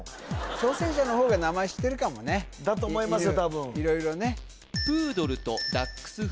挑戦者の方が名前知ってるかもねだと思いますよ